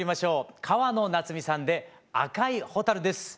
川野夏美さんで「紅い螢」です。